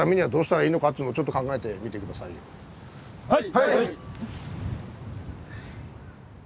はい！